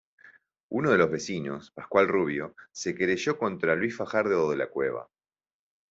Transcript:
Uno de los vecinos, Pascual Rubio, se querelló contra Luis Fajardo de la Cueva.